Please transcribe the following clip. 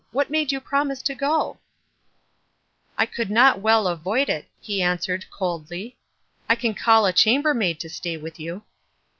What made you promise to go ?" "I could not well avoid it," he answered, cold ly. "I can call a chamber maid to stay with you."